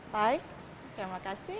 baik terima kasih